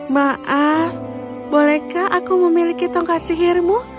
maaf bolehkah aku memiliki tongkat sihirmu